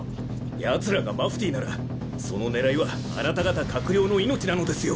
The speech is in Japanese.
ヤツらがマフティーならその狙いはあなた方閣僚の命なのですよ。